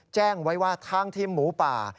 แจ้งไว้ว่าทางทีมหมูป่า